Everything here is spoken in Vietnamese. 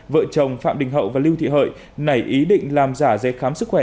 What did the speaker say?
vợ chồng phạm đình hậu và lưu thị hợi nảy ý định làm giả giấy khám sức khỏe